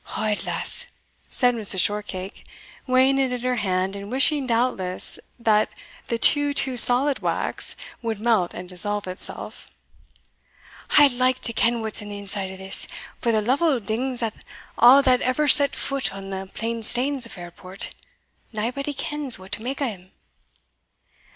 "Od, lass," said Mrs. Shortcake, weighing it in her hand, and wishing, doubtless, that the too, too solid wax would melt and dissolve itself, "I wad like to ken what's in the inside o' this, for that Lovel dings a' that ever set foot on the plainstanes o' Fairport naebody kens what to make o' him."